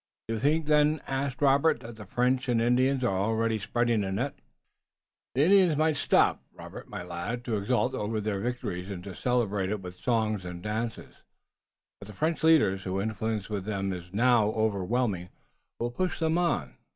"You think, then," asked Robert, "that the French and Indians are already spreading a net?" "The Indians might stop, Robert, my lad, to exult over their victory and to celebrate it with songs and dances, but the French leaders, whose influence with them is now overwhelming, will push them on.